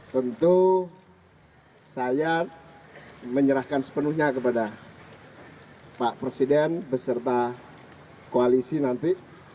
tentu saya menyerahkan sepenuhnya kepada pak presiden beserta koalisi nanti